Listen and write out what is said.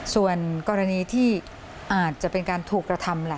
ส่วนกรณีที่อาจจะเป็นการถูกกระทำล่ะ